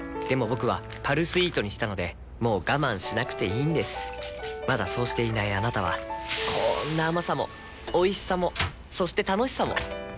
僕は「パルスイート」にしたのでもう我慢しなくていいんですまだそうしていないあなたはこんな甘さもおいしさもそして楽しさもあちっ。